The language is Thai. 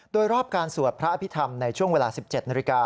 โดยรอบการสวดพระพิธรรมในช่วงเวลา๑๗น